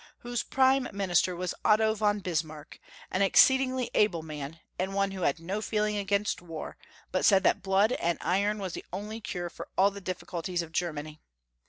whose prime mmister was Otto von Bismarck, an exceedingly able man, and one who had no feeling against war, but said that '• blood and iron " was the only cure for all the difficulties of Germany.